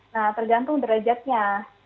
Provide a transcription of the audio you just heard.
nah tergantung derajatnya